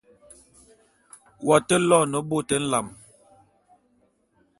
W'atate loene bôt nlam.